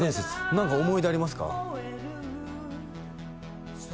何か思い出ありますか？